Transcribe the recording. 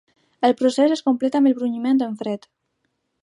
El procés es completa amb el brunyiment en fred.